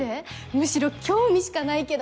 むしろ興味しかないけど。